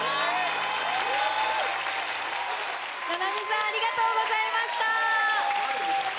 ｎａｎａｍｉさんありがとうございました。